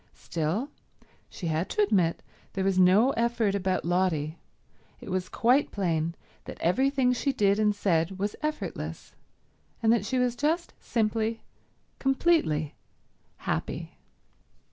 Still, she had to admit there was no effort about Lotty; it was quite plain that everything she did and said was effortless, and that she was just simply, completely happy.